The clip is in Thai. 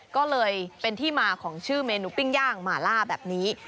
ก็เลยเป็นที่มาของชื่อเมนูปิ้งย่างหมาล่าแบบนี้